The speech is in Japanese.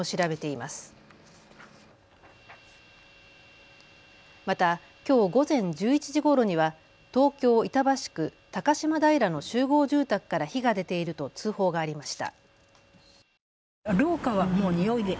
また、きょう午前１１時ごろには東京板橋区高島平の集合住宅から火が出ていると通報がありました。